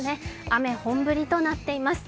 雨、本降りとなっています。